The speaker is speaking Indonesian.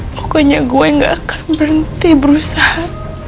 pokoknya gue gak akan berhenti berusaha